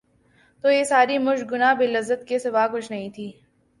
تو یہ ساری مشق گناہ بے لذت کے سوا کچھ نہیں تھی۔